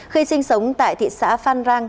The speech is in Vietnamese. khi sinh sống tại thị xã phan rang